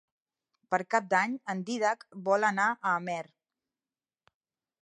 Per Cap d'Any en Dídac vol anar a Amer.